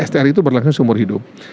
str itu berlangsung seumur hidup